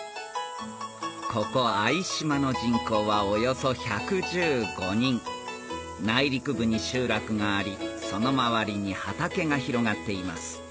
ここ相島の人口はおよそ１１５人内陸部に集落がありその周りに畑が広がっています